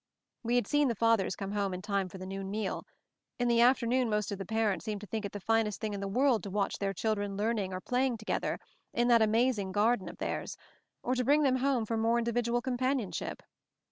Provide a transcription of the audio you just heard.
We had seen the fathers come home in time for the noon meal. In the afternoon most of the parents seemed to think it the finest thing in the world to watch their chil dren learning or playing together, in that amazing Garden of theirs, or to bring them home for more individual companionship.